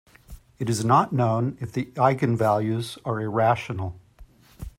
It is not known if the eigenvalues are irrational.